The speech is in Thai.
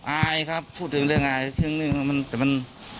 อายครับพูดเรื่องอะไรเรื่องอะไรมัน